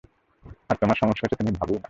আর তোমার সমস্যা হচ্ছে তুমি ভাবোই না।